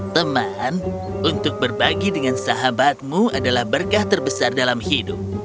teman untuk berbagi dengan sahabatmu adalah berkah terbesar dalam hidup